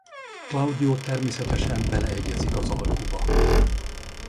Claudio természetesen beleegyezik az alkuba.